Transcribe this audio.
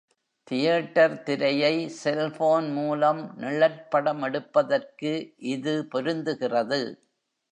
Theatre திரையை cellphone மூலம் நிழற்படம் எடுப்பதற்கு இது பொருந்துகிறது.